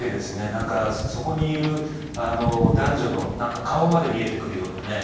何かそこにいる男女の顔まで見えてくるようなね。